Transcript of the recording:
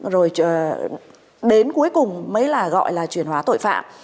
rồi đến cuối cùng mới là gọi là chuyển hóa tội phạm